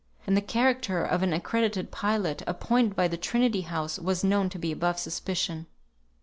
And the character of an accredited pilot, appointed by Trinity House, was known to be above suspicion.